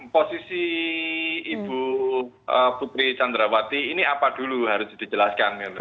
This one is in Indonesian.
posisi ibu putri candrawati ini apa dulu harus dijelaskan